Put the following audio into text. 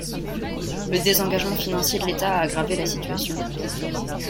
Le désengagement financier de l'État a aggravé la situation.